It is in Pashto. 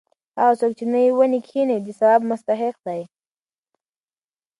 هغه څوک چې نوې ونې کښېنوي د ثواب مستحق دی.